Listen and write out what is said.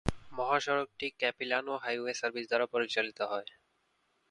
মহাসড়কটি Capilano highway service দ্বারা পরিচালিত হয়।